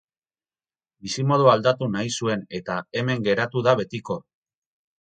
Bizimodua aldatu nahi zuen eta hemen geratu da betiko.